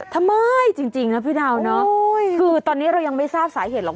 ทำไมจริงนะพี่ดาวเนอะคือตอนนี้เรายังไม่ทราบสาเหตุหรอก